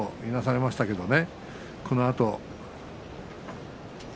いなされましたけどこのあと。